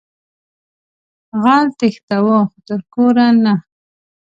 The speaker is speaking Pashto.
غل تېښتوه خو تر کوره نه